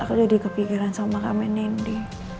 aku jadi kepikiran sama kamen nindi